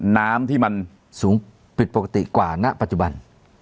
น้ำที่มันสูงผิดปกติกว่าณปัจจุบัน